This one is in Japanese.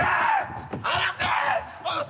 離せ！